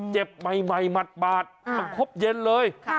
เจ็บใหม่หมัดมันครบเย็นเลย